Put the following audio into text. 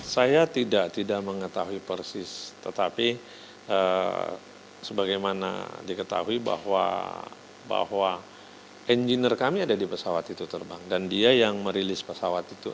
saya tidak mengetahui persis tetapi sebagaimana diketahui bahwa engineer kami ada di pesawat itu terbang dan dia yang merilis pesawat itu